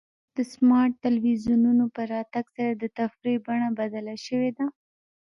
د سمارټ ټلویزیونونو په راتګ سره د تفریح بڼه بدله شوې ده.